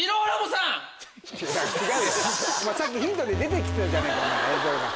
さっきヒントで出て来てるじゃないか映像が。